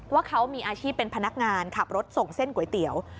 ว่าเขามีอาชีพเป็นพนักงานขับรถส่งเส้นก๋วยเตี๋ยว